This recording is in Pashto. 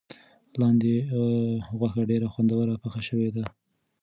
لاندي غوښه ډېره خوندوره پخه شوې ده.